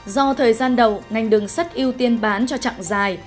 do thời gian đầu ngành đường sắt ưu tiên bán cho chặng dài